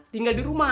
tinggal di rumah